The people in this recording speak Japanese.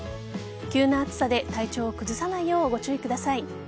急な暑さで体調を崩さないようご注意ください。